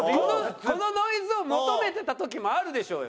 このノイズを求めてた時もあるでしょうよ。